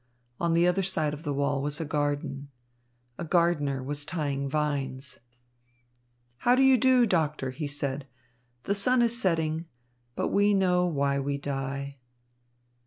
On the other side of the wall was a garden. A gardener was tying vines. "How do you do, Doctor?" he said. "The sun is setting, but we know why we die."